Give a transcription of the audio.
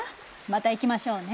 また行きましょうね。